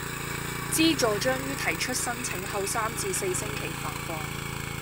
資助將於提出申請後三至四星期發放